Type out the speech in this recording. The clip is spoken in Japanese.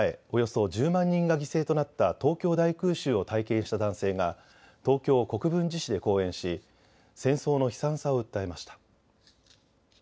およそ１０万人が犠牲となった東京大空襲を体験した男性が東京・国分寺市で講演し戦争の悲惨さを訴えました。